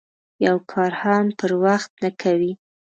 یو کار هم پر وخت نه کوي.